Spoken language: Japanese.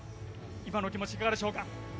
今のお気持ちいかがでしょうか。